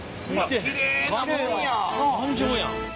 頑丈やん。